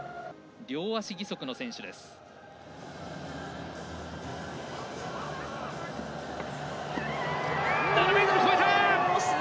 両足義足の選手です。